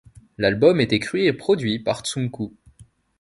L'album est écrit et produit par Tsunku.